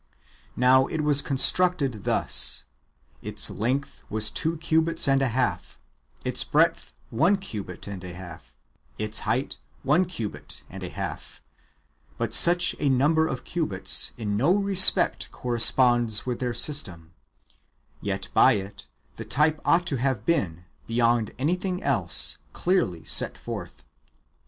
Now it was constructed thus : its length^ was two cubits and a half, its breadth one cubit and a half, its height one cubit and a half ; but such a number of cubits in no respect cor responds with their system, yet by it the type ought to have been, beyond everything else, clearly set forth.